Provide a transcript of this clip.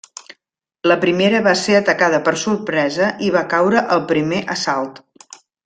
La primera va ser atacada per sorpresa i va caure al primer assalt.